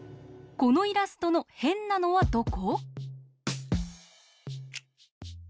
このイラストのへんなのはどこ？